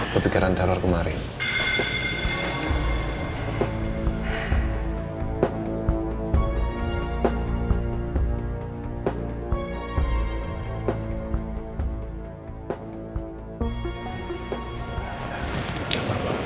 kepikiran teror kemarin